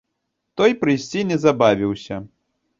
Той прыйсці не забавіўся.